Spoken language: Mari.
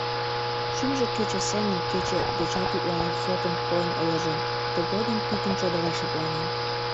Шӱмжӧ кече семын, кече дечат утларак сотын койын ылыжын... тыгодым пӱтынь чодыра шыпланен.